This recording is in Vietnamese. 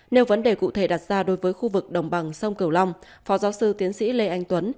nêu vấn đề cụ thể đặt ra đối với khu vực đồng bằng sông cửu long phó giáo sư tiến sĩ lê anh tuấn